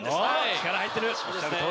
力入ってる。